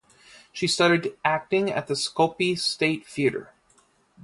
She studied acting at the Skopje State Theatre.